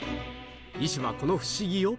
医師はこの不思議を。